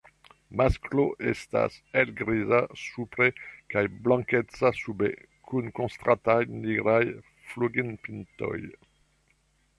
Masklo estas helgriza supre kaj blankeca sube, kun kontrastaj nigraj flugilpintoj.